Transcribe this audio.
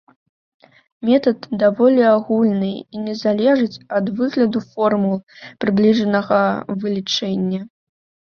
Метад даволі агульны і не залежыць ад выгляду формул прыбліжанага вылічэння.